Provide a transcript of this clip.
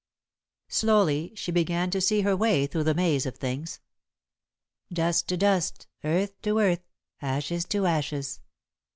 Slowly she began to see her way through the maze of things. "Dust to dust, earth to earth, ashes to ashes."